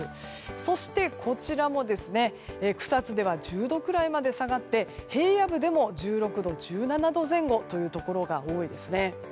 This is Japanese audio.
そしてこちらも草津では１０度くらいまで下がって平野部でも１６度１７度前後というところが多いですね。